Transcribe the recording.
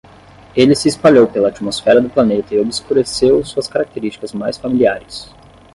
Ele se espalhou pela atmosfera do planeta e obscureceu suas características mais familiares.